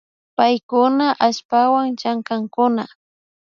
Paykuna allpawan llankankuna